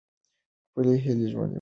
خپلې هیلې ژوندۍ وساتئ.